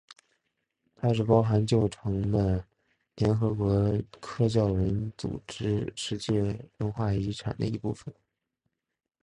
它是包含旧城的联合国教科文组织世界文化遗产的一部分。